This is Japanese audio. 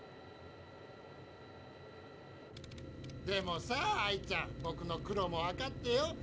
でもさアイちゃんぼくの苦労もわかってよ。